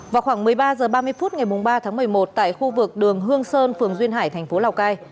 vào khoảng một mươi ba h ba mươi phút ngày ba tháng một mươi một tại khu vực đường hương sơn phường duyên hải thành phố lào cai